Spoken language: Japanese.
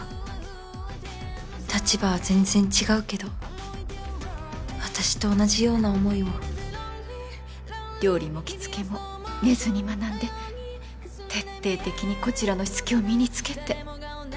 立場は全然違うけど私と同じような思いを料理も着付けも寝ずに学んで徹底的にこちらのしつけを身に付けて。